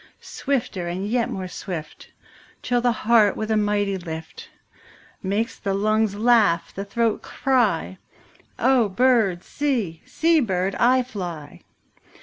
Swifter and yet more swift, 5 Till the heart with a mighty lift Makes the lungs laugh, the throat cry:— 'O bird, see; see, bird, I fly.